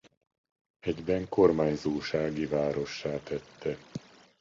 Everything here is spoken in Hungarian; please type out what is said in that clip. Egyben kormányzósági várossá tette.